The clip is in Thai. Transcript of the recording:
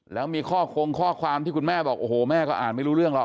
แล้วมีข้อคงข้อความที่คุณแม่บอกโอ้โหแม่ก็อ่านไม่รู้เรื่องหรอก